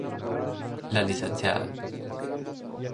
La Lic.